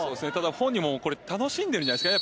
本人もこれ楽しんでるんじゃないですかね